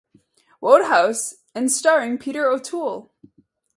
Wodehouse and starring Peter O'Toole.